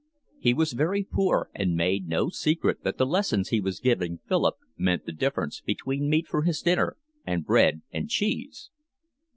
He was very poor and made no secret that the lessons he was giving Philip meant the difference between meat for his dinner and bread and cheese.